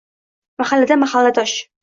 Mahallada — mahalladosh